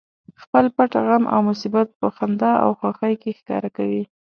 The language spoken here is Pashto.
خپل پټ غم او مصیبت په خندا او خوښۍ کې ښکاره کوي